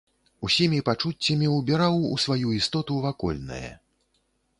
Усімі пачуццямі ўбіраў у сваю істоту вакольнае.